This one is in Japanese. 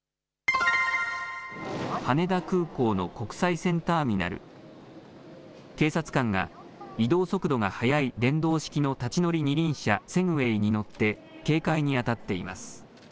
羽田空港の国際線ターミナル警察官が移動速度が速い電動式の立ち乗り二輪車セグウェイに乗って警戒に当たっています。